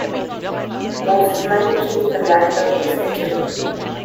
Most men choose the latter procedure.